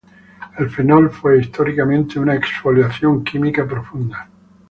El fenol fue históricamente una exfoliación química profunda.